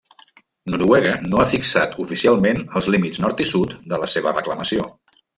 Noruega no ha fixat oficialment els límits nord i sud de la seva reclamació.